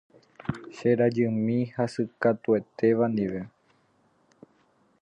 Che rajymi hasykatuetéva ndive.